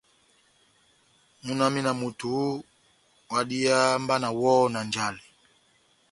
Múna wami na moto oooh, ohádiháha mba nawɔhɔ na njale !